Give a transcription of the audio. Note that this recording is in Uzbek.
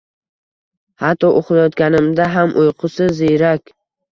Hatto uxlayotganimda ham uyqusi ziyrak